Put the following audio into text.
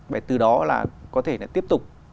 và từ đó là có thể là tiếp tục